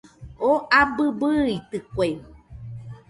Oo abɨ bɨitɨkue